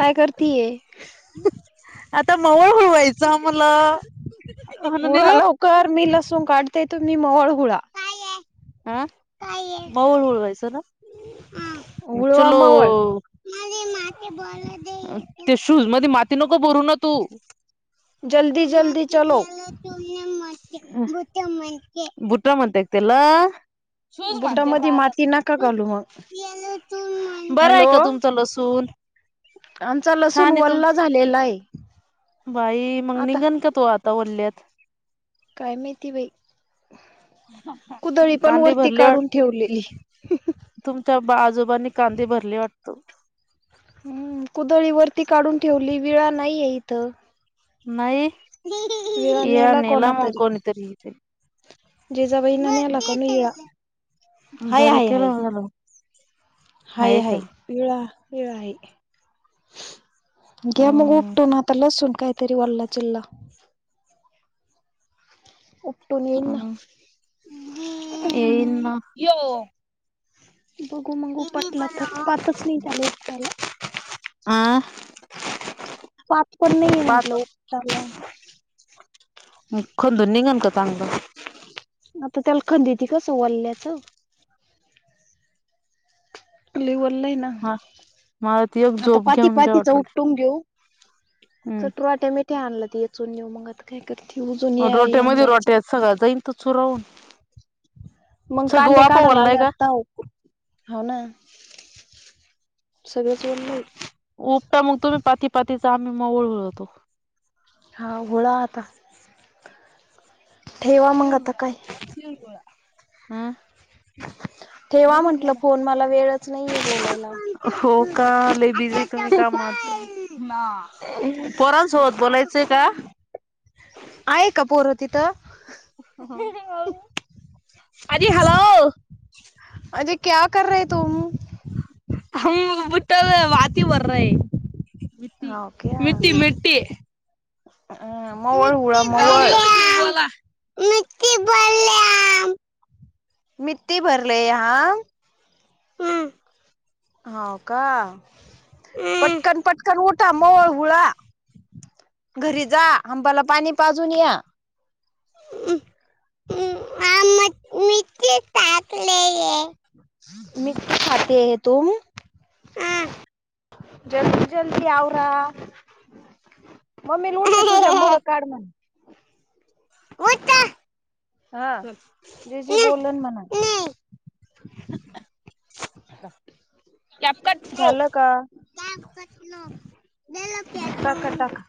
काय करतीय? आता मोहोळ व्हायचा मुलं. [unintelligible] कर मी लसूण काढते तुम्ही मोहोळ हुळा अह, मऊळ हूळवयाच ना, हुळवा चलो. मवळ माझी माती भरू दे, ते शूज मध्ये माती नको भरू न तू, जल्दी त जल्दी माती चलो गेल. तून माती बुटमनते, बुटमनेते तेला. शूज बाधाते बुटामध्ये माग, माती नका घालू मग [unintelligible] बर आहे हॅलो का तुम च लसूून आमचा लसून वल्ला झालेला हाय बाई मग निघन का तू आता वल्यात? काय माहिती बाई, कुदळी पण कांदे वरती भरले वाट काढून ठेवलेली. तुमच्या बा, आजोबांनी कांदे भरले वाटत? हम्म, कुदळी वरती काढून ठेवली, विळा नाहीये इथं. नाही, विळा इळा कोणा नेला मग तरी कोणीतरी [unintelligible] जिजाबाईन बरं नेला का नाही केल विळा हाय बघ हाय जरा हाय हाय, हाय विळा, वीळा हाय की घ्या मग अं उपटून आता, लसून काहीतरी वल्ला चिल्ला [unintelligible] ना [unintelligible] ये हम्म ना, यो बघू मगू पटला तर, पातच नाही झालं उकटाला. अ पात पण नाहीय पाच म्हंटलं उपटायला. हम खंदून निघल का चांगलं आता त्याला खंद त कसं वल्ल्याचं लय वल आहे ना. हा मला ती एक आता झोप पाती घेऊन घ्या पातीचा वाटवली उपटून घेऊ चटुट्या म ते आणलं ते येचून नेऊ मग आता काय करते उजून या येन रोट्यामध्ये जायच रोट्यात सगळा जाईन तो चुरावून मग सगळं कांदे वापा काढायला वल्लाय का आल्यावर लाव हो ना. सगळंच ओललय उपता मग तुम्ही पाती पातीचा आम्ही मवळ उळवतो. हा वूळा आता ठेवा मग आता काय हं ठेवा म्हंटल फोन मला वेळच नाहीये बोलायला. हो का? लय बिझी तुम्ही कामात पोरांसोबत बोलाय चे का? आहे का पोर तिथं? हो आजी हॅलो अरे क्या कर रहे तूम? हम बुत वाती भर रहे है हाव क्या मिठी मिठी अ मवळ उळा मवळ मिठी भरल्यानं मिठी भरले याहा हा हो का? पटकन पटकन उठा मोळ हुळा घरी जा हांबाला पाणी पाजून या. ह म मीठी टाकले है. मीठी खाते हो तूम? जल्दी जल्दी आवरा. मम्मी लुटे तुझ्या मोळ काढ ना ऊठं हा जीजी बोलन म्हणां नाही कॅप्टलो झालं का दिलं टाका फेकून टाका